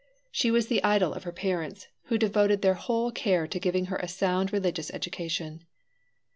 She was the idol of her parents, who devoted their whole care to giving her a sound religious education.